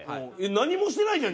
何もしてないじゃん！